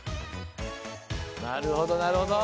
なるほどなるほど。